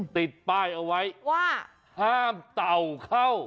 ติดป้ายเอาไว้ว่าห้ามเต่าเข้า